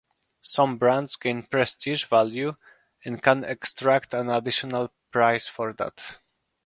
Some brands gain prestige value and can extract an additional price for that.